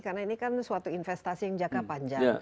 karena ini kan suatu investasi yang jangka panjang